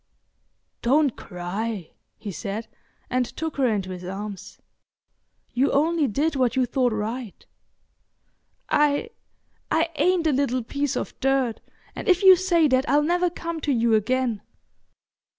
"Don't cry," he said, and took her into his arms. "You only did what you thought right." "I—I ain't a little piece of dirt, and if you say that I'll never come to you again."